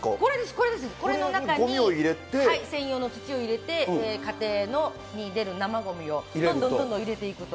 これです、これの中に、専用の土を入れて家庭に出る生ごみをどんどんどんどん入れていくと。